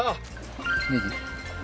ネギ。